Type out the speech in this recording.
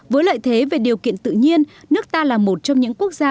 với lợi thế về điều kiện tự nhiên nước ta là một trong những quốc gia